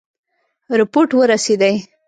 رپوټ ورسېدی.